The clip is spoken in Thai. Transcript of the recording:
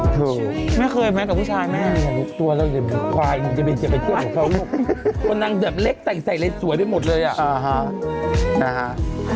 ใช่อันนี้ซีรีส์รถตู้